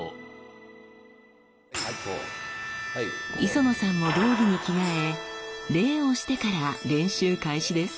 磯野さんも道着に着替え礼をしてから練習開始です。